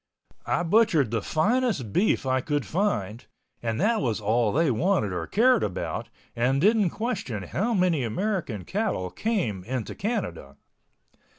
I butchered the finest beef I could find and that was all they wanted or cared about and didn't question how many American cattle came into Canada.